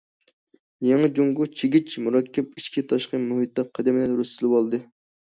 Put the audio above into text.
يېڭى جۇڭگو چىگىچ، مۇرەككەپ ئىچكى- تاشقى مۇھىتتا قەددىنى رۇسلىۋالدى.